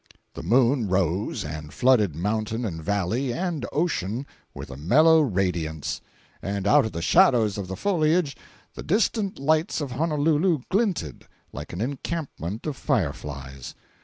The moon rose and flooded mountain and valley and ocean with a mellow radiance, and out of the shadows of the foliage the distant lights of Honolulu glinted like an encampment of fireflies.